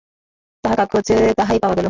তাঁহার কাগজে তাহাই পাওয়া গেল।